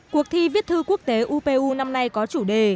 cuộc thi viết thư quốc tế upu năm nay có chủ đề